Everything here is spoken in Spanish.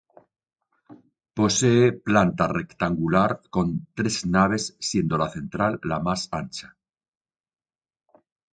Posee planta rectangular con tres naves siendo la central la más ancha.